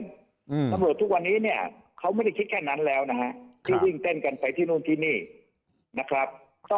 ตำรวจทุกวันนี้เนี่ยเขาไม่ได้คิดแค่นั้นแล้วนะฮะที่วิ่งเต้นกันไปที่นู่นที่นี่นะครับ